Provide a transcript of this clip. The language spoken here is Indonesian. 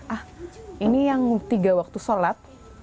ah ini yang tiga waktu sholat